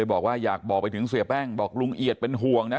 บอกว่าอยากบอกไปถึงเสียแป้งบอกลุงเอียดเป็นห่วงนะ